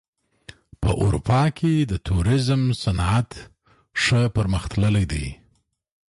په اروپا کې د توریزم صنعت ښه پرمختللی دی.